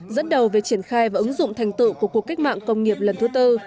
dẫn đầu về triển khai và ứng dụng thành tựu của cuộc cách mạng công nghiệp lần thứ tư